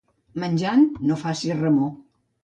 Menjant no facis remor.